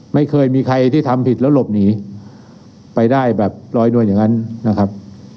ไม่เคยมีใครที่ทำผิดแล้วหลบหนีไปได้แบบลอยนวลอย่างนั้นนะครับ